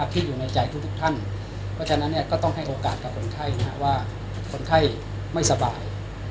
ที่อยู่ในใจทุกท่านเพราะฉะนั้นก็ต้องให้โอกาสกับคนไข้ว่าคนไข้ไม่สบาย